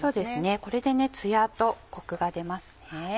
これでつやとコクが出ますね。